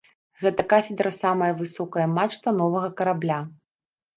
Гэта кафедра самая высокая мачта новага карабля.